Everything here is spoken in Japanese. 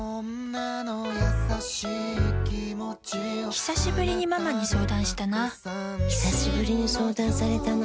ひさしぶりにママに相談したなひさしぶりに相談されたな